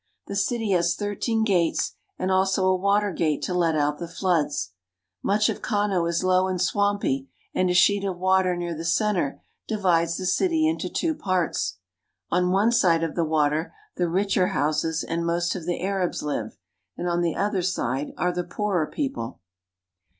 The city has thirteen gates and also a water gate to let out the floods. Much of Kano is low and swampy, and a sheet of water near the center divides the city into two parts. On one side of the water the richer Hausasand most of the Arabs live, and on the other sitle are the poorer" l>copie.